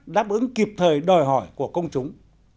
đáp ứng kịp thời đòi hỏi của công chúng